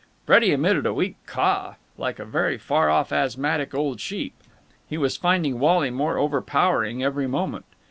Freddie emitted a weak cough, like a very far off asthmatic old sheep. He was finding Wally more overpowering every moment.